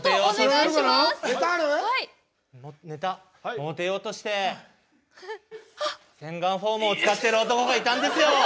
モテようとして洗顔フォームを使ってる男がいたんですよ。